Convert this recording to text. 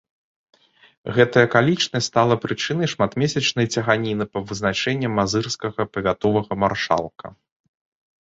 Гэтая акалічнасць стала прычынай шматмесячнай цяганіны па вызначэнні мазырскага павятовага маршалка.